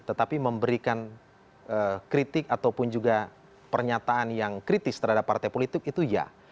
tetapi memberikan kritik ataupun juga pernyataan yang kritis terhadap partai politik itu ya